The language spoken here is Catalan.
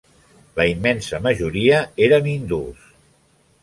La immensa majoria eren hindús.